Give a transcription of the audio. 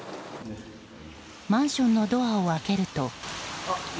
マンションのドアを開けると。